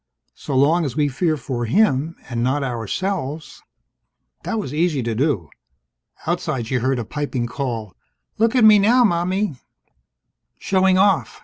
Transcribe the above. So long as we fear for him, and not ourselves " That was easy to do. Outside, she heard a piping call: "Look at me now, Mommie!" "Showing off!"